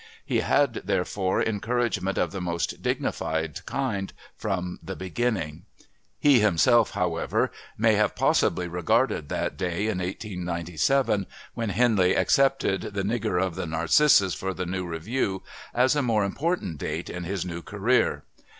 He had, therefore, encouragement of the most dignified kind from the beginning. He himself, however, may have possibly regarded that day in 1897 when Henley accepted The Nigger of the Narcissus for The New Review as a more important date in his new career.